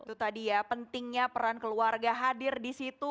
itu tadi ya pentingnya peran keluarga hadir di situ